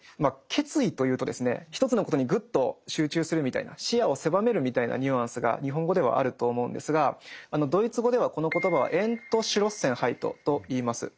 決意というとですね一つのことにグッと集中するみたいな視野を狭めるみたいなニュアンスが日本語ではあると思うんですがドイツ語ではこの言葉は「Ｅｎｔｓｃｈｌｏｓｓｅｎｈｅｉｔ」といいます。